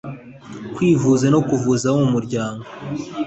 kwivuza no kuvuza abo mu muryango